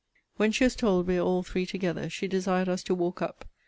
When she was told we were all three together, she desired us to walk up.